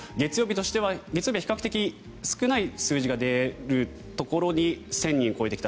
月曜日は比較的少ない数字が出るところに１０００人を超えてきた。